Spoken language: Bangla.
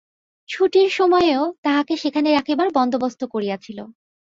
ছুটির সময়েও তাহাকে সেখানে রাখিবার বন্দোবস্ত করিয়াছিল।